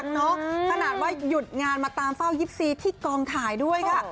ขนาดว่าหยุดงานมาตามเฝ้า๒๔ที่กองถ่ายด้วยค่ะ